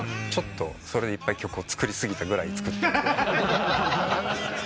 ちょっとそれでいっぱい曲を作り過ぎたぐらい作って。